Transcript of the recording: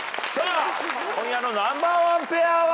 今夜のナンバーワンペアは！